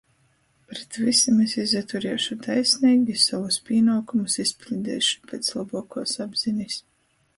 Pret vysim es izaturiešu taisneigi i sovus pīnuokumus izpiļdeišu piec lobuokuos apzinis.